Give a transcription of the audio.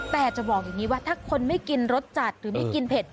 แต่จะบอกอย่างนี้ว่าถ้าคนไม่กินรสจัดหรือไม่กินเผ็ด